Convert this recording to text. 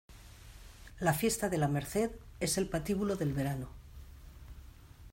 La fiesta de la Merced es el patíbulo del verano.